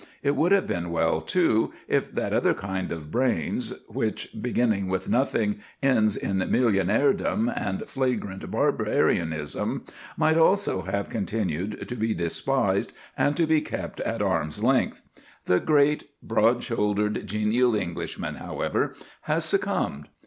It would have been well, too, if that other kind of brains, which, beginning with nothing, ends in millionairedom and flagrant barbarianism, might also have continued to be despised and to be kept at arm's length. The great, broad shouldered, genial Englishman, however, has succumbed.